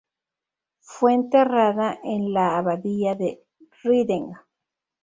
Fue enterrada en la abadía de Reading.